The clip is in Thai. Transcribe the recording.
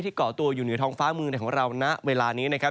ที่เกาะตัวอยู่หนึ่งทองฟ้ามือของเรานะเวลานี้นะครับ